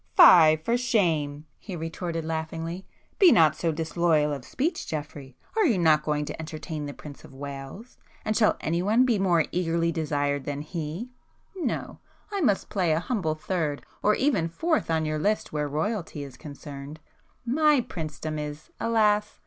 "Fie, for shame!" he retorted laughingly—"Be not so disloyal of speech, Geoffrey! Are you not going to entertain [p 298] the Prince of Wales?—and shall anyone be more 'eagerly desired' than he? No,—I must play a humble third or even fourth on your list where Royalty is concerned,—my princedom is alas!